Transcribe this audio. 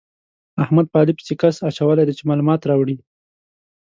احمد په علي پسې کس اچولی دی چې مالومات راوړي.